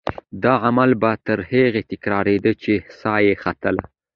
دا عمل به تر هغې تکرارېده چې سا یې ختله.